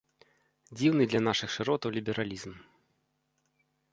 Дзіўны для нашых шыротаў лібералізм.